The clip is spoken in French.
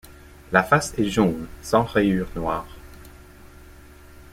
La face est jaune, sans rayures noires.